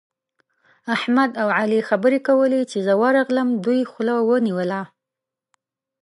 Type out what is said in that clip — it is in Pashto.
احمد او علي خبرې کولې؛ چې زه ورغلم، دوی خوله ونيوله.